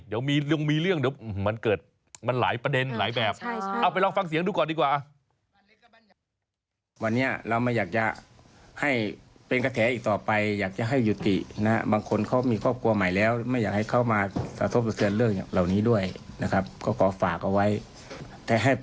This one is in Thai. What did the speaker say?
เดี๋ยวมีเรื่องเดี๋ยวมันเกิดมันหลายประเด็นหลายแบบ